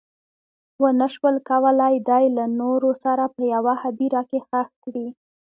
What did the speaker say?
ونه شول کولی دی له نورو سره په یوه هدیره کې ښخ کړي.